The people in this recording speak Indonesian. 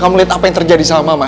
kamu lihat apa yang terjadi sama mamik